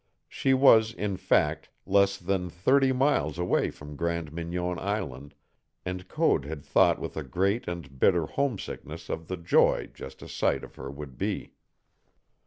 She was, in fact, less than thirty miles away from Grande Mignon Island, and Code had thought with a great and bitter homesickness of the joy just a sight of her would be.